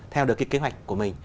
theo được cái kế hoạch của mình